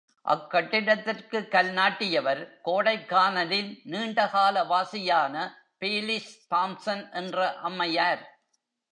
அக் கட்டிடத்திற்குக் கல் நாட்டியவர், கோடைக்கானலின் நீண்டகால வாசியான பேலிஸ் தாம்சன் என்ற அம்மையார்.